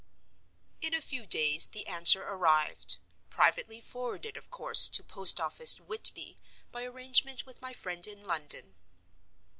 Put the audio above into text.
In a few days the answer arrived—privately forwarded, of course, to Post office, Whitby, by arrangement with my friend in London.